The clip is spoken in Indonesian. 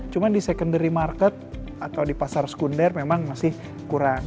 cuma di secondary market atau di pasar sekunder memang masih kurang